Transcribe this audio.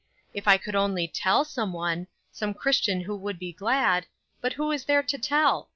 If I could only tell some one some Christian who would be glad but who is there to tell?